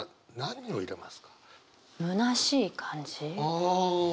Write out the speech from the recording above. ああ。